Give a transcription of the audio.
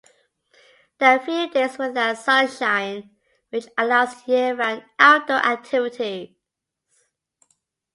There are few days without sunshine, which allows year-round outdoor activities.